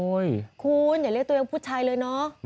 คุณอย่าเรียกตัวเองผู้ชายเลยเนาะ